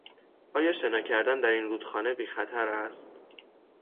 آیا شنا کردن در این رودخانه بیخطر است؟